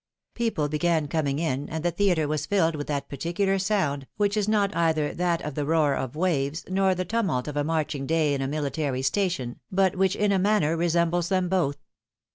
People began coming in, and the theatre was filled with that particular sound, which is not either that of the roar of waves, nor the tumult of a marching day in a military station, but which in a manner resembles them both.